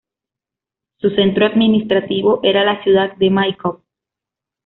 Su centro administrativo era la ciudad de Maikop.